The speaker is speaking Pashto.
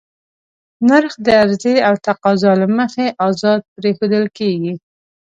نرخ د عرضې او تقاضا له مخې ازاد پرېښودل کېږي.